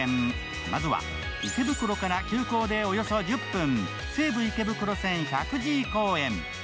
まずは池袋から急行でおよそ１０分、西武池袋線石神井公園。